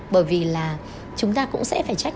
bởi vì là chúng ta cũng sẽ phải trách